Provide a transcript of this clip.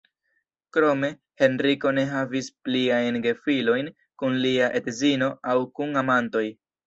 Krome, Henriko ne havis pliajn gefilojn kun lia edzino aŭ kun amantoj.